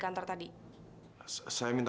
aku mau berhenti